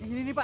ini ini pak